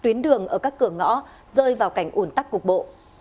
tuyến đường ở các cửa ngõ rơi vào cảnh ủn tắc cục bộ